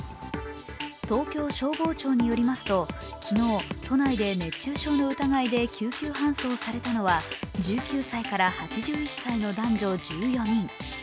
東京消防庁によりますと昨日、都内で熱中症の疑いで救急搬送されたのは１９歳から８１歳の男女１４人。